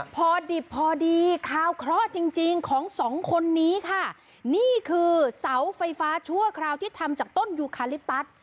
พอดิพอดีคราวเคลา์จริงของสองคนนี้นี้คือเสาไฟฟ้าชั่วคราวที่ทำจากต้นยุคาริปัช